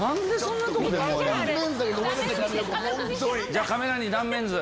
じゃあカメラに断面図。